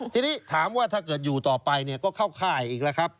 ทีนี้ถามว่าถ้าเกิดอยู่ต่อไปเนี่ยก็เข้าค่ายอีกแล้วครับ